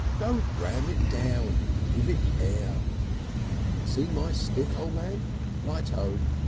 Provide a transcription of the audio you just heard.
"Don't ram it down. Give it Air. Seen my stick, O' Man? Right O."